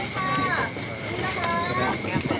ขอบคุณครับ